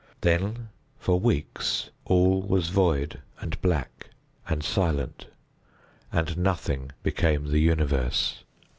Then, for weeks, all was void, and black, and silent, and Nothing became the universe.